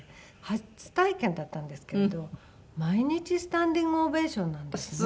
初体験だったんですけれど毎日スタンディングオベーションなんですね。